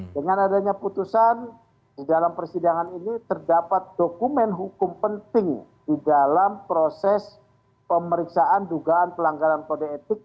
dengan adanya putusan di dalam persidangan ini terdapat dokumen hukum penting di dalam proses pemeriksaan dugaan pelanggaran kode etik